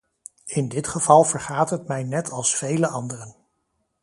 In dit geval vergaat het mij net als vele anderen.